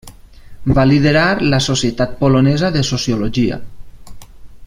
Va liderar la Societat Polonesa de Sociologia.